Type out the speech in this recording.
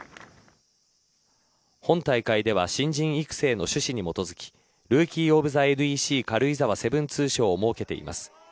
本大会では新人育成の趣旨に基づきルーキー・オブ・ザ・ＮＥＣ軽井沢７２賞を設けています。